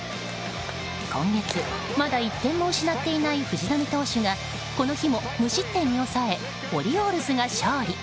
今月、まだ１点も失っていない藤浪投手がこの日も無失点に抑えオリオールズが勝利。